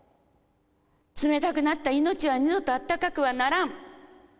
冷たくなった命は二度とあったかくはならん。